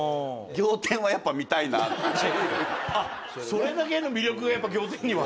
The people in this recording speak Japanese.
それだけの魅力がやっぱ『仰天』には。